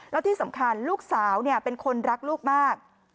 แล้วที่สำคัญลูกสาวเป็นคนรักลูกมาก